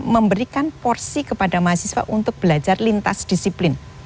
memberikan porsi kepada mahasiswa untuk belajar lintas disiplin